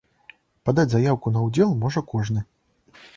Падаць заяўку на ўдзел можа кожны.